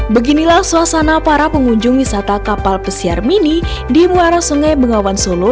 beginilah suasana para pengunjung wisata kapal pesiar mini di muara sungai bengawan solo